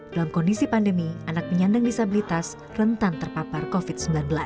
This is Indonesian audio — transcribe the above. dalam kondisi pandemi anak penyandang disabilitas rentan terpapar covid sembilan belas